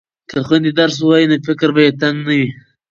که خویندې درس ووایي نو فکر به یې تنګ نه وي.